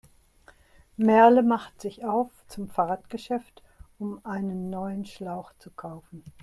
Merle macht sich auf zum Fahrradgeschäft, um einen neuen Schlauch zu kaufen.